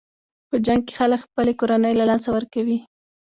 په جنګ کې خلک خپلې کورنۍ له لاسه ورکوي.